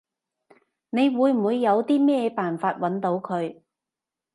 你會唔會有啲咩辦法搵到佢？